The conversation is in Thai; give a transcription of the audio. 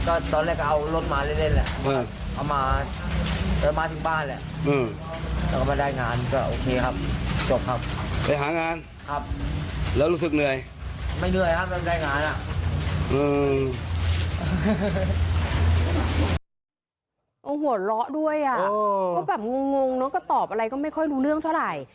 ก็หัวเราะด้วยอ่ะก็แบบงงเนอะก็ตอบอะไรก็ไม่ค่อยรู้เรื่องเท่าไหร่